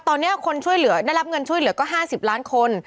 ตอนนี้ได้รับเงินช่วยเหลือก็๕๐ล้านคน